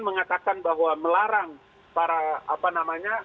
mengatakan bahwa melarang para apa namanya